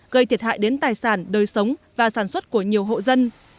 gây thiệt hại đến tài sản đời sống và sản xuất của nhiều hộ dân